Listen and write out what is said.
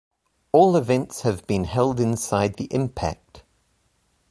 All events have been held inside the Impact!